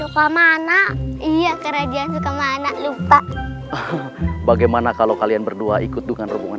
kemana iya kerjaan suka mana lupa bagaimana kalau kalian berdua ikut dengan hubungan